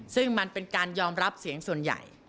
ซึ่งมันเป็นการยอมรับเสียงส่วนใหญ่